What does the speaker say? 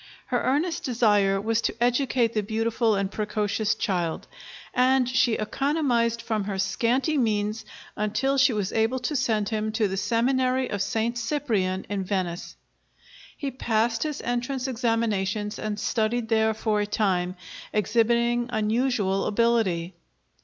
Her earnest desire was to educate the beautiful and precocious child; and she economized from her scanty means until she was able to send him to the Seminary of Saint Cyprian in Venice. He passed his entrance examinations, and studied there for a time, exhibiting unusual ability.